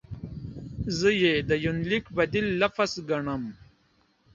زه یې د یونلیک بدیل لفظ ګڼم.